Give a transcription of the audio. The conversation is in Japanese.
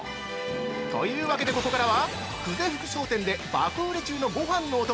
というわけで、ここからは久世福商店で爆売れ中のごはんのお供